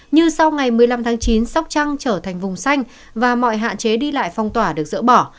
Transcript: như sau ngày một mươi năm tháng chín sóc trăng trở thành vùng xanh và mọi hạn chế đi lại phong tỏa được dỡ bỏ